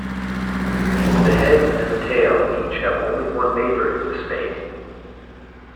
The head and the tail each have only one neighbor in the snake.